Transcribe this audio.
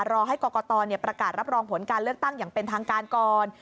รอให้กรกตประกาศรับรองผลการเลือกตั้งอย่างเป็นทางการก่อน